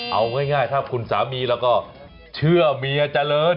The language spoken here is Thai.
เอาง่ายถ้าคุณสามีแล้วก็เชื่อเมียเจริญ